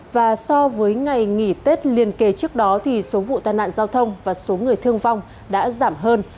và so với ngày nghỉ tết liền kề trước đó thì số vụ tai nạn giao thông và số người thương vong đã giảm hơn